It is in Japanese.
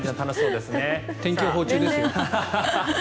天気予報中ですよ。